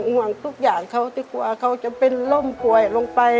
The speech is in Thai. ห่วงทุกอย่างเขาที่กลัวเขาจะเป็นร่มป่วยลงไป